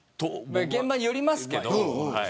現場によりますけど。